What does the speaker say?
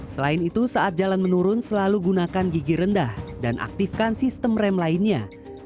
selain itu saat jalan menurun selalu gunakan gigi rendah dan aktifkan sistem rem lainnya